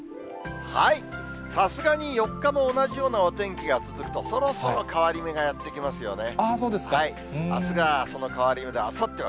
さすがに４日も同じようなお天気が続くと、そろそろ変わり目がやって来ますよね。